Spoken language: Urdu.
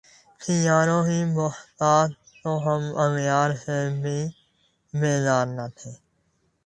تھی یاروں کی بہتات تو ہم اغیار سے بھی بیزار نہ تھے